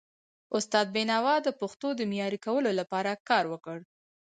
استاد بینوا د پښتو د معیاري کولو لپاره کار وکړ.